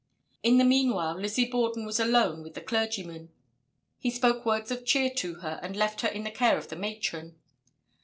In the meanwhile Lizzie Borden was alone with the clergyman. He spoke words of cheer to her and left her in the care of the matron.